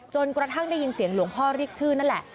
กระทั่งได้ยินเสียงหลวงพ่อเรียกชื่อนั่นแหละ